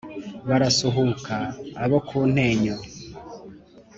barasuhuka abo ku ntenyo